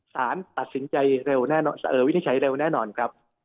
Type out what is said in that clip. สารตัดสินใจเร็ววินิจฉัยเร็วแน่นอนครับ